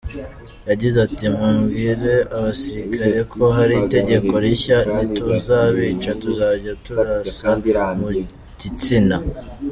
Yagize ati “ Mubwire abasirikare ko hari itegeko rishya; ntituzabica, tuzajya turasa mu gitsina.